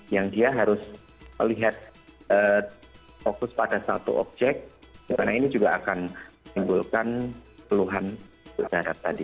yang dia harus melihat fokus pada satu objek di mana ini juga akan menimbulkan keluhan darat tadi